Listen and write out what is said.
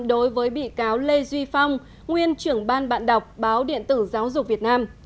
đối với bị cáo lê duy phong nguyên trưởng ban bạn đọc báo điện tử giáo dục việt nam